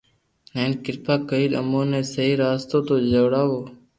ھين ڪرپا ڪرين اموني ي سھي راستو تو چاڙو